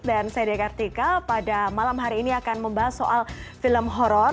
dan saya dekartika pada malam hari ini akan membahas soal film horror